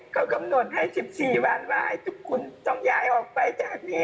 เขากำหนดให้๑๔วันว่าให้ทุกคนต้องย้ายออกไปจากนี้